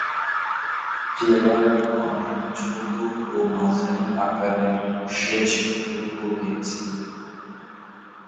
জেলার অনেক ছোট ও মাঝারি আকারের সেচ প্রকল্প রয়েছে।